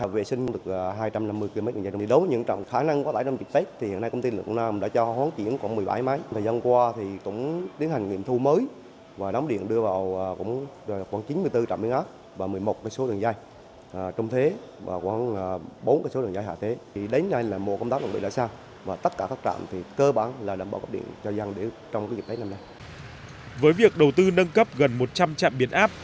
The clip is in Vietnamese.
với việc đầu tư nâng cấp gần một trăm linh trạm biến áp